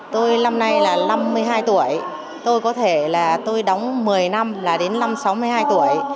tôi năm nay là năm mươi hai tuổi tôi có thể là tôi đóng một mươi năm là đến năm sáu mươi hai tuổi